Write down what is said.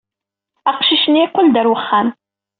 Aqcic-nni yeqqel-d ɣer wexxam.